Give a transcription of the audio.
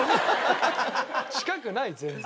近くない全然。